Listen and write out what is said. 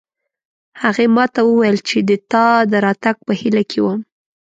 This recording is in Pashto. هغې ما ته وویل چې د تا د راتګ په هیله کې وم